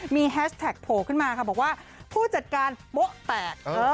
มีแฮชแท็กโผล่ขึ้นมาค่ะบอกว่าผู้จัดการโป๊ะแตก